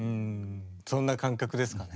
そんな感覚ですかね。